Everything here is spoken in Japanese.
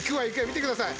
見てください！